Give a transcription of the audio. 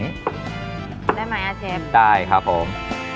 ได้ไหมอาเชฟได้ครับผม